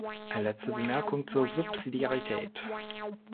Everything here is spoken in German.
Eine letzte Bemerkung zur Subsidiarität.